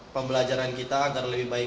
pembelajaran kita agar lebih baik